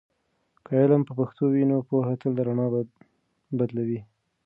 که علم په پښتو وي، نو پوهه تل د رڼا بدلوي.